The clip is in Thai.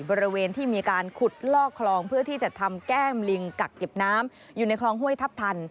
บริเวณที่มีการขุดลอกคลองเพื่อที่จะทำแก้มลิงกักเก็บน้ำอยู่ในคลองห้วยทัพทัน